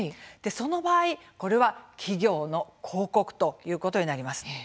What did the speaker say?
その場合、これは企業の広告ということになります。